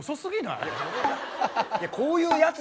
いやこういうやつだから。